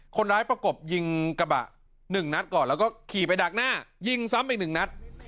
ประกบยิงกระบะ๑นัดก่อนแล้วก็ขี่ไปดักหน้ายิงซ้ำอีก๑นัด